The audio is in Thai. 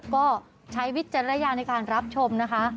ก็ใช้วิทยาลัยในการรับชมนะคะ